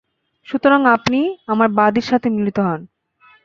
সুতরাং আপনি আমার বাদীর সাথে মিলিত হন।